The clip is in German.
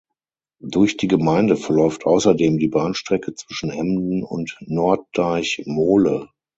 Durch die Gemeinde verläuft außerdem die Bahnstrecke zwischen Emden und Norddeich Mole.